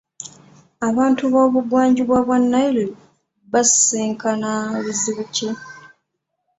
Abantu b'obugwanjuba bwa Nile basisinkana bizibu ki ?